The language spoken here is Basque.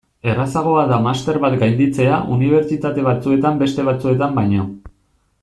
Errazagoa da master bat gainditzea unibertsitate batzuetan beste batzuetan baino.